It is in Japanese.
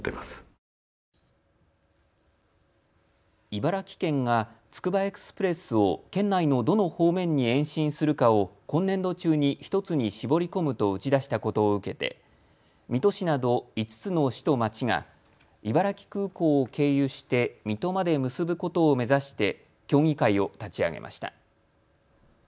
茨城県がつくばエクスプレスを県内のどの方面に延伸するかを今年度中に１つに絞り込むと打ち出したことを受けて水戸市など５つの市と町が茨城空港を経由して水戸まで結ぶことを目指して協議会を立ち上げました。